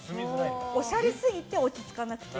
おしゃれすぎて落ち着かなくて。